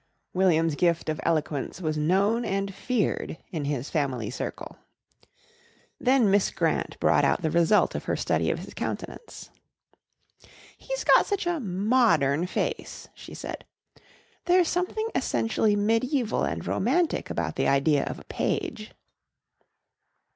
William's gift of eloquence was known and feared in his family circle. Then Miss Grant brought out the result of her study of his countenance. "He's got such a modern face!" she said. "There's something essentially mediæval and romantic about the idea of a page."